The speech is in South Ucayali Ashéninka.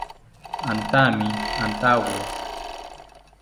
Antami antawo